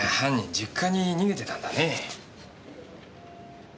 実家に逃げてたんだね。